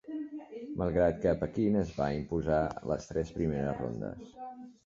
Malgrat que Pequín es va imposar a les tres primeres rondes.